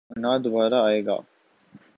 اور نہ دوبارہ آئے گا۔